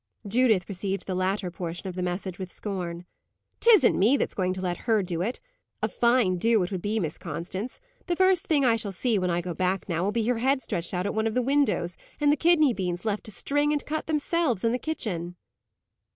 Judith received the latter portion of the message with scorn. "'Tisn't me that's going to let her do it! A fine do it would be, Miss Constance! The first thing I shall see, when I go back now, will be her head stretched out at one of the windows, and the kidney beans left to string and cut themselves in the kitchen!"